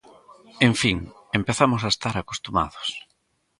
En fin, empezamos a estar acostumados.